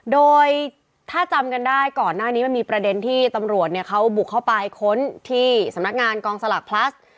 โดยถ้าจำกันได้ก่อนหน้านี้มันมีประเด็นที่ตำรวจเขาบุกเข้าไปค้นที่สำนักงานกองสลากพลัส